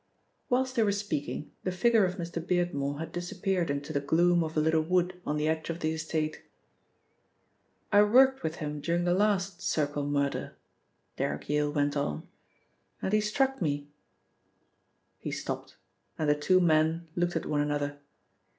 Whilst they were speaking, the figure of Mr. Beardmore had disappeared into the gloom of a little wood on the edge of the estate. "I worked with him during the last Circle murder," Derrick Yale went on, "and he struck me " He stopped, and the two men looked at one another.